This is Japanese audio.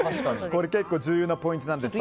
これ結構重要なポイントです。